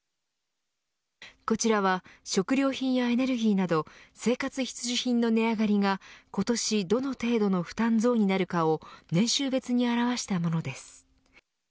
こちらは食料品やエネルギーなど生活必需品の値上がりが今年どの程度の負担増になるかを年収別に表したものです。